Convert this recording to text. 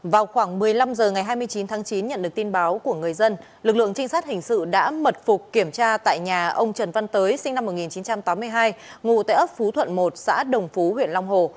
vào khoảng một mươi năm h ngày hai mươi chín tháng chín nhận được tin báo của người dân lực lượng trinh sát hình sự đã mật phục kiểm tra tại nhà ông trần văn tới sinh năm một nghìn chín trăm tám mươi hai ngụ tại ấp phú thuận một xã đồng phú huyện long hồ